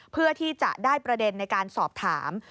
เพื่อที่จะได้ประเด็นในการสอบถาม